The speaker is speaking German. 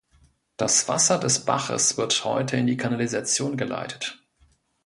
Das Wasser des Baches wird heute in die Kanalisation geleitet.